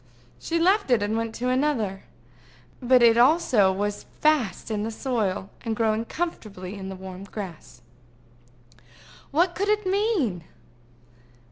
She left it, and went to another; but it also was fast in the soil, and growing comfortably in the warm grass. What could it mean?